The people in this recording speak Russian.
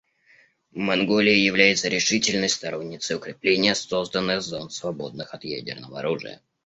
Монголия является решительной сторонницей укрепления созданных зон, свободных от ядерного оружия.